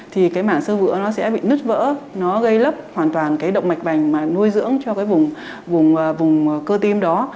thì cái mảng sơ vữa nó sẽ bị nứt vỡ nó gây lấp hoàn toàn cái động mạch vành mà nuôi dưỡng cho cái vùng cơ tim đó